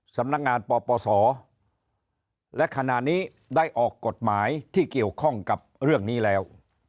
สำนักงานปปศและขณะนี้ได้ออกกฎหมายที่เกี่ยวข้องกับเรื่องนี้แล้ว